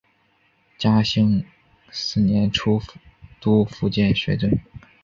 嘉庆四年出督福建学政。